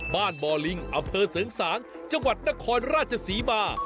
บ่อลิงอำเภอเสริงสางจังหวัดนครราชศรีมา